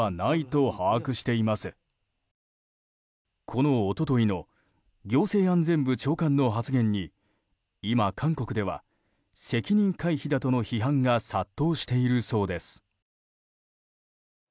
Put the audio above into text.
この一昨日の行政安全部長官の発言に今、韓国では責任回避だとの批判が殺到しているそうです。